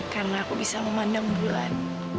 karena aku bisa memandang bulan